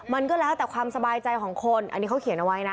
มันก็แล้วแต่ความสบายใจของคนอันนี้เขาเขียนเอาไว้นะ